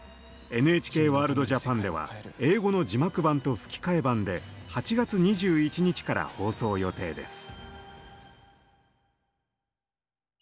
「ＮＨＫワールドＪＡＰＡＮ」では英語の字幕版と吹き替え版で８月２１日から放送予定です。